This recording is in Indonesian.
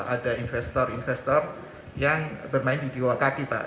ada investor investor yang bermain di diwakati pak